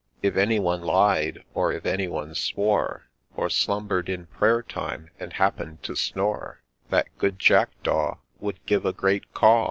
If any one lied, — or if any one swore, — Or slumber'd in pray'r time and happen'd to snore, That good Jackdaw Would give a great ' Caw